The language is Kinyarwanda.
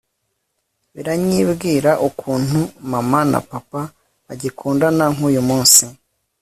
biranyibwira ukuntu mama na papa bagikundana nkuyu munsi